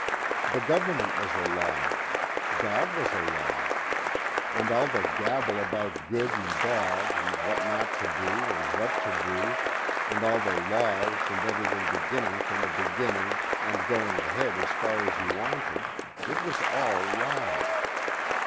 The government was a lie. God was a lie. And all the gabble about good and bad and what not to do and what to do, and all the laws and everything beginning from the beginning and going ahead as far as you wanted, it was all lies.